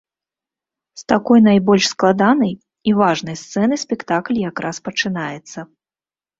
З такой найбольш складанай і важнай сцэны спектакль якраз пачынаецца.